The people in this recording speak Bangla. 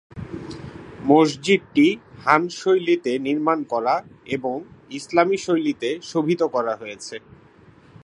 মসজিদটি হান শৈলীতে নির্মাণ করা এবং ইসলামী শৈলীতে শোভিত করা হয়েছে।